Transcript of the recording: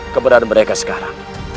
keberadaan mereka sekarang